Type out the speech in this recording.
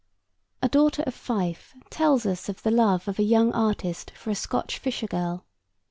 A Daughter of Fife tells us of the love of a young artist for a Scotch fisher girl.